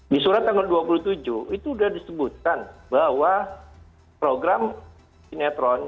di surat tanggal dua puluh tujuh itu sudah disebutkan bahwa program sinetron